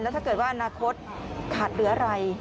ถ้าเกิดว่าอนาคตขาดเหลืออะไร